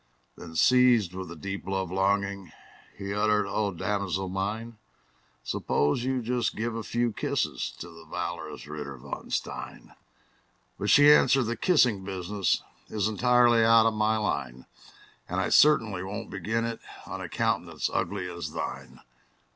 Then, seized with a deep love longing, He uttered, "O damosel mine, Suppose you just give a few kisses To the valorous Ritter von Stein!" But she answered, "The kissing business Is entirely out of my line; And I certainly will not begin it On a countenance ugly as thine!"